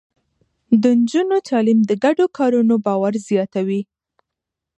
د نجونو تعليم د ګډو کارونو باور زياتوي.